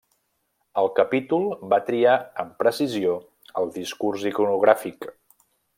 El capítol va triar amb precisió el discurs iconogràfic.